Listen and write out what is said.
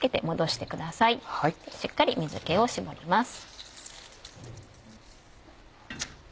しっかり水気を絞ります。